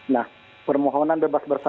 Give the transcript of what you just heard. nah permohonan bebas bersarat